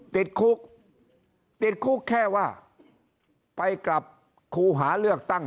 ติดคุกติดคุกแค่ว่าไปกลับครูหาเลือกตั้ง